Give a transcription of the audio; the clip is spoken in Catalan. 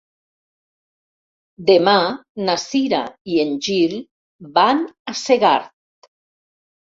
Demà na Cira i en Gil van a Segart.